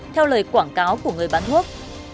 theo lời quảng cáo của người bán thuốc